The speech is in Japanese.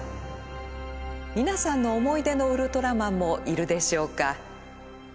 皆さんの思い出のウルトラマンもいるでしょうか。